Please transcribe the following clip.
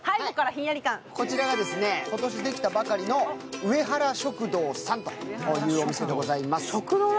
こちらは今年できたばかりの上原食堂さんというお店でございます。